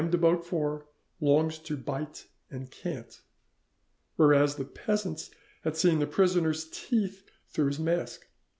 de Beaufort longs to bite and can't," whereas the peasants had seen the prisoner's teeth through his mask.